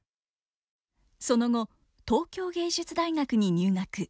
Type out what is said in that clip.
その後東京藝術大学に入学。